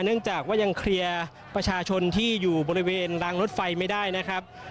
เนื่องจากว่ายังเคลียร์ประชาชนที่อยู่บริเวณรางรถไฟไม่ได้นะครับ